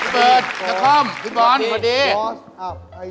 กระท่อมพี่บอลสวัสดี